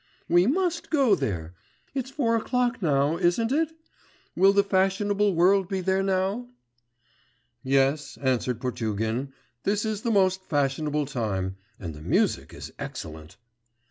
We must go there. It's four o'clock now ... isn't it? Will the fashionable world be there now?' 'Yes,' answered Potugin: 'this is the most fashionable time, and the music is excellent.